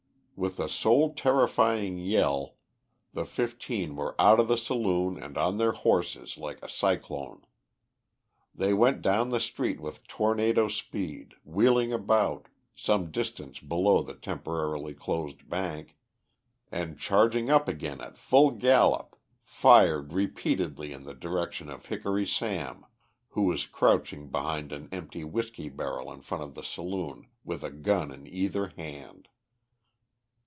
With a soul terrifying yell the fifteen were out of the saloon and on their horses like a cyclone. They went down the street with tornado speed, wheeling about, some distance below the temporarily closed bank, and, charging up again at full gallop, fired repeatedly in the direction of Hickory Sam, who was crouching behind an empty whiskey barrel in front of the saloon with a "gun" in either hand.